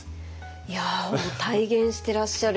いや体現してらっしゃる。